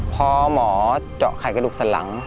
พอหมอเจาะไข่กระดูกสันหลัง